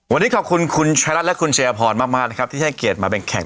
กับรายการเศรษฐีป้ายแดง